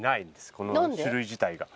この種類自体が。